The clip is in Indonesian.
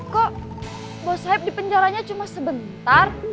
kok bos saya di penjaranya cuma sebentar